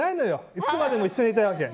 いつまでも一緒にいたいわけ。